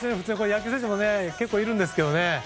野球選手でも結構いるんですけどね。